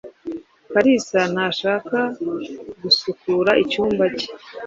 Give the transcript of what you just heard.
Kalisa ntashaka gusukura icyumba cye.